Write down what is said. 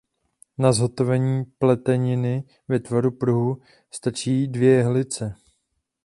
Na zhotovení pleteniny ve tvaru pruhu stačí dvě jehlice.